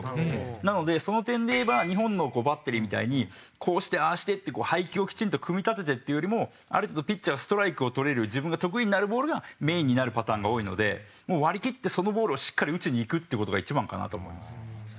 なのでその点でいえば日本のバッテリーみたいにこうしてああしてって配球をきちんと組み立ててっていうよりもある程度ピッチャーがストライクを取れる自分が得意になるボールがメインになるパターンが多いので割り切ってそのボールをしっかり打ちにいくっていう事が一番かなと思います。